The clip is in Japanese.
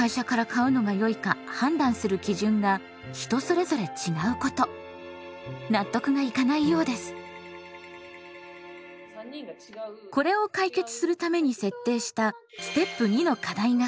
これを解決するために設定したステップ２の課題がこちら！